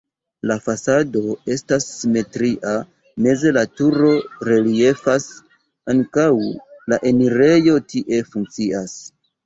La fasado estas simetria, meze la turo reliefas, ankaŭ la enirejo tie funkcias.